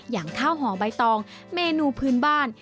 อย่างข้าวห่อใบตองเมนูพื้นบ้าน